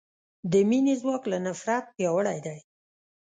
د مینې ځواک له نفرت پیاوړی دی.